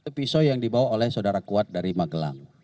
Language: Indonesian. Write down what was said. pisau yang dibawa oleh saudara kuat dari magelang